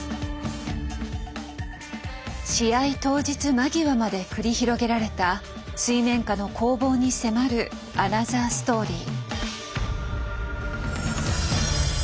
試合当日間際まで繰り広げられた水面下の攻防に迫るアナザーストーリー。